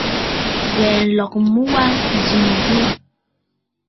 Ghɛ̀ɛ nlɔgə mu wa nzì nɨ ghu.